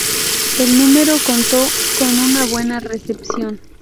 El número contó con una buena recepción.